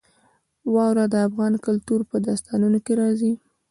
واوره د افغان کلتور په داستانونو کې راځي.